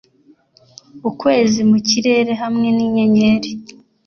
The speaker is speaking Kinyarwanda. Ukwezi mu kirere hamwe n'inyenyeri